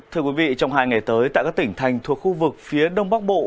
thưa quý vị trong hai ngày tới tại các tỉnh thành thuộc khu vực phía đông bắc bộ